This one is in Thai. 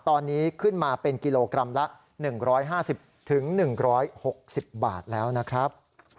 ตอนนี้ขึ้นมาเป็นกิโลกรัมละ๑๕๐๑๖๐บาทแล้วนะครับ